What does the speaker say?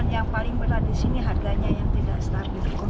yang paling berat di sini harganya yang tidak stabil